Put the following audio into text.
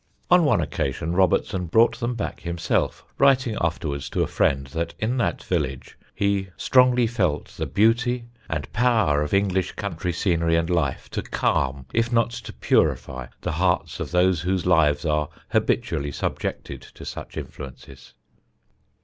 On one occasion Robertson brought them back himself, writing afterwards to a friend that in that village he "strongly felt the beauty and power of English country scenery and life to calm, if not to purify, the hearts of those whose lives are habitually subjected to such influences."